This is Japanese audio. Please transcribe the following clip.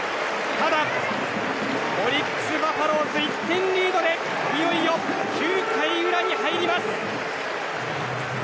ただ、オリックス・バファローズ１点リードでいよいよ９回裏に入ります。